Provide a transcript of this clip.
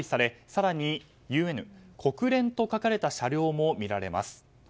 更に、ＵＮ国連と書かれた車両も見られます。